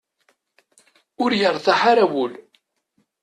Ur yertaḥ ara wul.